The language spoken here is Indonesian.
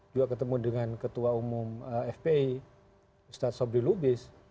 juga ketemu dengan ketua umum fpi ustadz sobril lubis